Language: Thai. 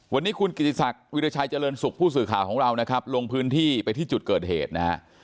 วันนี้คุณกิติศักดิ์วิราชัยเจริญสุขผู้สื่อข่าวของเรานะครับลงพื้นที่ไปที่จุดเกิดเหตุนะฮะ